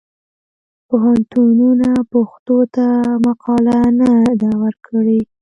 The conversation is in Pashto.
پوهنتونونه پښتو ته مقاله نه ده ورکړې.